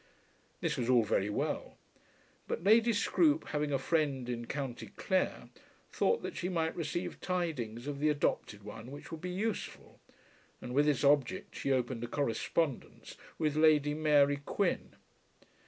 This was all very well; but Lady Scroope, having a friend in Co. Clare, thought that she might receive tidings of the adopted one which would be useful, and with this object she opened a correspondence with Lady Mary Quin.